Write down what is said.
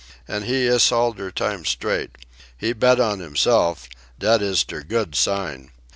An' he iss all der time straight. He bet on himself dat iss der good sign.